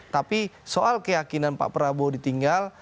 tapi soal keyakinan pak prabowo ditinggal